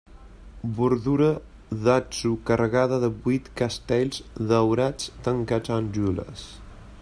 Bordura d'atzur carregada de vuit castells daurats tancats en gules.